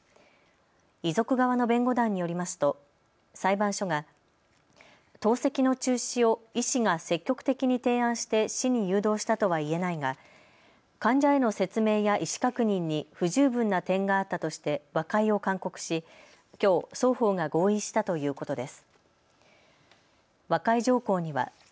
遺族側の弁護団によりますと裁判所が透析の中止を医師が積極的に提案して死に誘導したとはいえないが患者への説明や意思確認に不十分な点があったとして和解を勧告し、きょう双方が合意したということです。